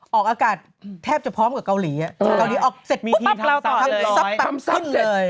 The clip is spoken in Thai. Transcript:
เอาการแทบจะพร้อมกับเกาหลีอ่ะกริงโรคเอาเสร็จมีทีมทำซัพตัดทุ่นเลย